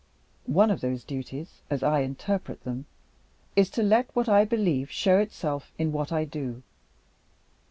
One of those duties, as I interpret them, is to let what I believe show itself in what I do.